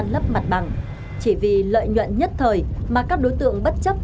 lấp mặt bằng chỉ vì lợi nhuận nhất thời mà các đối tượng bất chấp